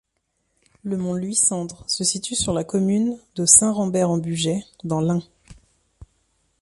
Le mont Luisandre se situe sur la commune de Saint-Rambert-en-Bugey, dans l'Ain.